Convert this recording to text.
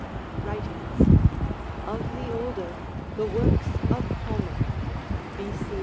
Wril/in^s. Of the Older, the works of Homer (B. C.